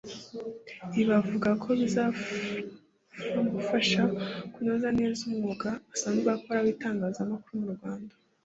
Ibi avuga ko bizafamufasha kunoza neza umwuga asanzwe akora w’itangazamakuru mu Rwanda